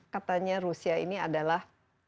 katanya rusia ini adalah